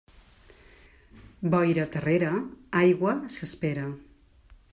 Boira terrera, aigua s'espera.